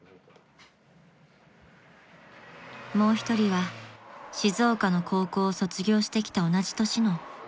［もう一人は静岡の高校を卒業してきた同じ年の］